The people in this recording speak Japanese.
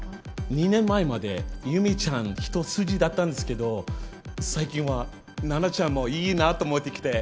２年前までユミちゃん一筋だったんですけど最近はナナちゃんもいいなって思えてきて。